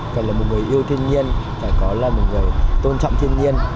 phải là một người yêu thiên nhiên phải có là một người tôn trọng thiên nhiên